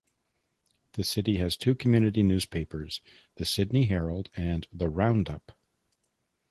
The city has two community newspapers, "The Sidney Herald" and "The Roundup".